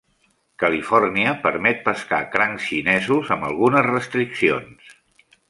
Califòrnia permet pescar crancs xinesos amb algunes restriccions.